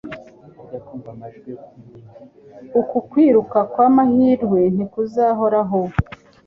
Uku kwiruka kwamahirwe ntikuzahoraho.